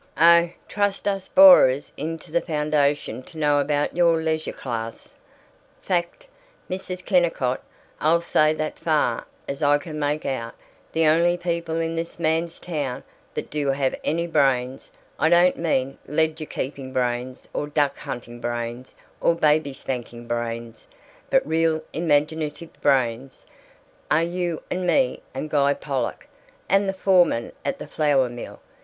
"Oh, trust us borers into the foundation to know about your leisure class. Fact, Mrs. Kennicott, I'll say that far as I can make out, the only people in this man's town that do have any brains I don't mean ledger keeping brains or duck hunting brains or baby spanking brains, but real imaginative brains are you and me and Guy Pollock and the foreman at the flour mill.